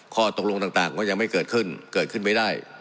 ข้อตกลงต่างก็ยังไม่เกิดขึ้นเกิดขึ้นไม่ได้